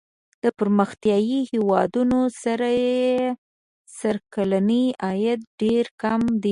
د پرمختیايي هېوادونو سړي سر کلنی عاید ډېر کم دی.